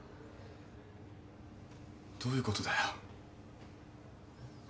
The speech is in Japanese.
どういうことだよ？